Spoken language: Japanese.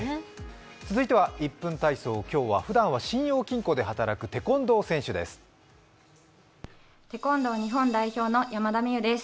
続いては１分体操、今日はふだんは信用金庫で働くテコンドー選手です。